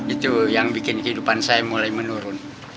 itu yang bikin kehidupan saya mulai menurun